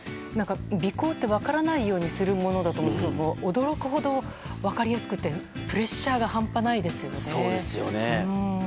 尾行って分からないようにするものだと思うんですが驚くほど分かりやすくてプレッシャーが半端ないですよね。